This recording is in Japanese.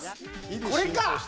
これか！